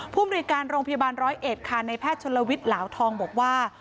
มนุยการโรงพยาบาลร้อยเอ็ดค่ะในแพทย์ชนลวิทย์เหลาทองบอกว่า